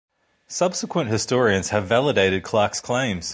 Subsequent historians have validated Clark's claims.